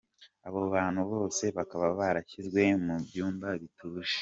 Abo bantu bose bakaba barashyizwe mu byumba bituje.